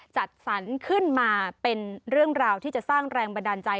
จัดสรรขึ้นมาเป็นเรื่องราวที่จะสร้างแรงบันดาลใจ